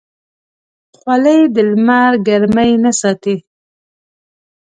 خولۍ د لمر ګرمۍ نه ساتي.